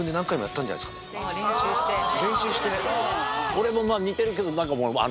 俺も似てるけど。